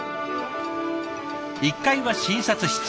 １階は診察室。